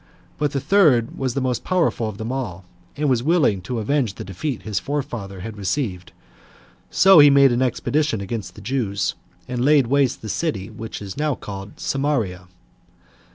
But the third was the most powerful of them all, and was willing to avenge the defeat his forefather had received; so he made an expedition against the Jews, and laid waste the city which is now called Samaria."